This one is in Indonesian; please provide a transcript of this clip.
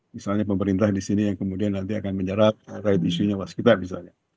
misalnya pemerintah di sini yang kemudian nanti akan menjerat right issue nya waskita misalnya